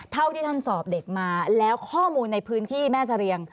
เท่าที่ท่านสอบเด็กมาแล้วข้อมูลในพื้นที่แม่เสรียง